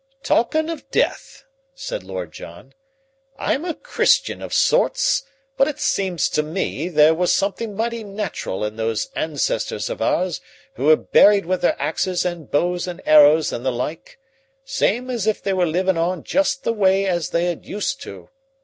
"Talkin' of death," said Lord John. "I'm a Christian of sorts, but it seems to me there was somethin' mighty natural in those ancestors of ours who were buried with their axes and bows and arrows and the like, same as if they were livin' on just the same as they used to.